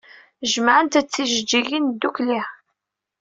Jemɛent-d tijeǧǧigin ddukkli.